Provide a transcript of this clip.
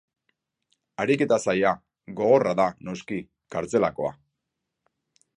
Ariketa zaila, gogorra da, noski, kartzelakoa.